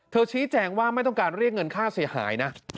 ชี้แจงว่าไม่ต้องการเรียกเงินค่าเสียหายนะ